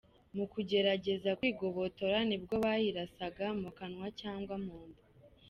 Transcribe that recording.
Mu kugerageza kwigobotora nibwo bayirasaga mu kanwa cyangwa mu nda.